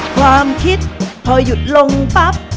ความคิดพอหยุดลงปั๊บ